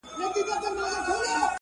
ما یي سرونه تر عزت جارول٫